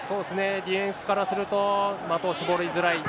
ディフェンスからすると、的を絞りづらい。